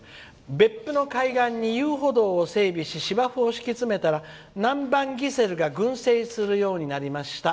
「別府の海岸に遊歩道を整備したらナンバンギセルが群生するようになりました。